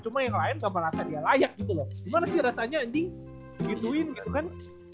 cuma yang lain kapan akan dia layak gitu loh gimana sih rasanya ini begituin gitu kan